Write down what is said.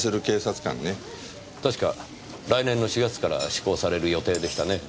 確か来年の４月から施行される予定でしたね。